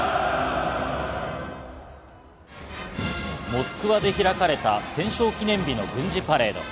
モスクワで開かれた戦勝記念日の軍事パレード。